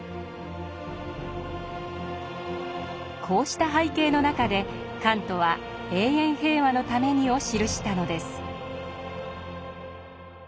こうした背景の中でカントは「永遠平和のために」を記したのです。